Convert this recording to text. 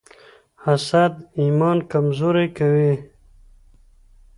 حسد ایمان کمزوری کوي.